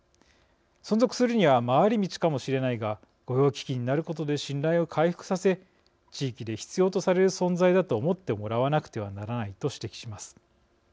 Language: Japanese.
存続するには回り道かもしれないが御用聞きになることで信頼を回復させ地域で必要とされる存在だと思ってもらわなくてはならない」と指摘します。